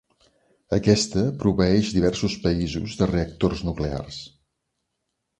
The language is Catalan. Aquesta proveeix diversos països de reactors nuclears.